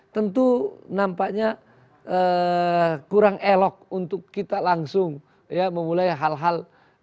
tentu nampaknya kurang elok untuk kita langsung ya memulai hal hal